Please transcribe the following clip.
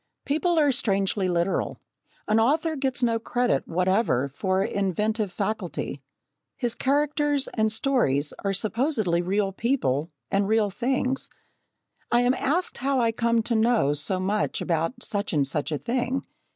People are strangely literal. An author gets no credit whatever for inventive faculty his characters and stories are supposedly real people and real things. I am asked how I came to know so much about such and such a thing.